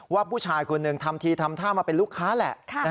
ว่าผู้ชายคนหนึ่งทำทีทำท่ามาเป็นลูกค้าแหละ